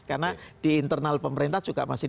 karena di internal pemerintah juga masih